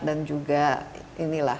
dan juga inilah